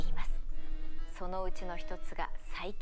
そのうちの一つが細菌です。